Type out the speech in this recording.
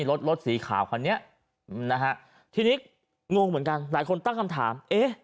รถรถสีขาวคันนี้นะฮะทีนี้งงเหมือนกันหลายคนตั้งคำถามเอ๊ะ